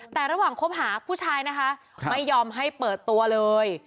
แต่ระหว่างคบหาผู้ชายนะคะไม่ยอมให้เปิดตัวเลย